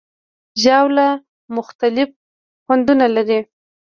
ژاوله مختلف خوندونه لري.